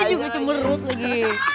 gue juga cemerut lagi